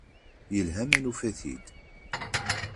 Yelha ma nufa-t-id.